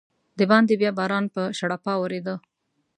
دباندې بیا باران په شړپا ورېده.